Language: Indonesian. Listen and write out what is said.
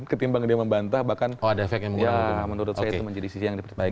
ketimbang dia membantah bahkan menurut saya itu menjadi sisi yang dipercepat